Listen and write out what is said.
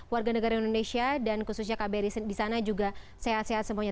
warga negara indonesia dan khususnya kbri di sana juga sehat sehat semuanya